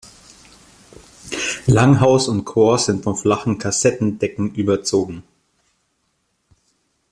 Langhaus und Chor sind von flachen Kassettendecken überzogen.